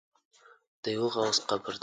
د یوه غوث قبر دی.